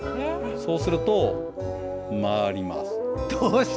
そうすると回ります。